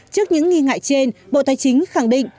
trước những nghi ngại trên bộ tài chính khẳng định